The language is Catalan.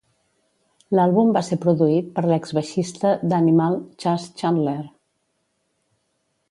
L'àlbum va ser produït per l'ex baixista d'Animal, Chas Chandler.